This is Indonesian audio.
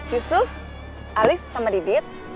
yusuf alif sama didit